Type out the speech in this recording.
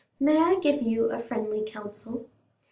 May I give you a friendly counsel?